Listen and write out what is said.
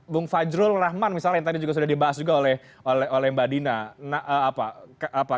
bung fajrul rahman misalnya yang tadi juga sudah dibahas juga oleh mbak dina